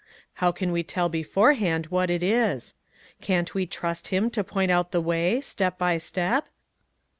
How can we tell beforehand what it is ? Can't we trust him to point out. the way, step by step?"